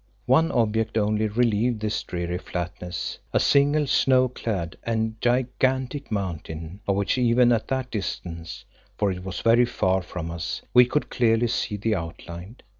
One object only relieved this dreary flatness, a single, snow clad, and gigantic mountain, of which even at that distance for it was very far from us we could clearly see the outline.